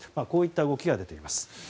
こうした動きが出ています。